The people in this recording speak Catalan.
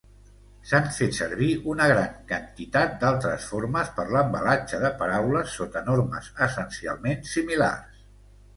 S'han fet servir una gran quantitat d'altres formes per l'embalatge de paraules sota normes essencialment similars.